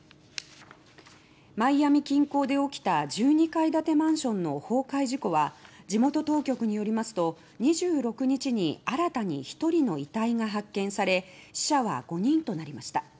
マイアミ近郊で起きた１２階建てマンションの崩壊事故は地元当局によりますと２６日に新たに１人の遺体が発見され死者は５人となりました。